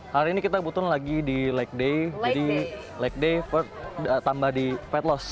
hari ini kita butuh lagi di leg day jadi leg day tambah di fat loss